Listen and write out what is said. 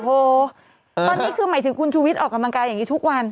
โอ้โหตอนนี้คือหมายถึงคุณชูวิทย์ออกกำลังกายอย่างนี้ทุกวัน